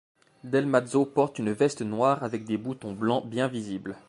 Del Mazo porte une veste noire avec des boutons blancs bien visibles.